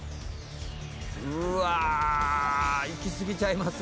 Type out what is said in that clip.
「うわあいきすぎちゃいます？」